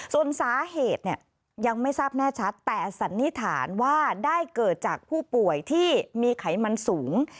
ส่วนสาเหตุเนี่ยยังไม่ทราบแน่ชัดแต่สันนิษฐานว่าได้เกิดจากผู้ป่วยที่มีไขมันสูง